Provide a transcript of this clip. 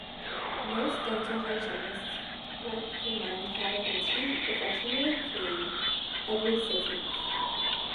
Most dental hygienists recommend having the teeth professionally cleaned every six months.